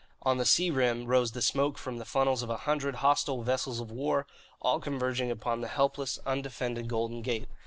On the sea rim rose the smoke from the funnels of a hundred hostile vessels of war, all converging upon the helpless, undefended Golden Gate.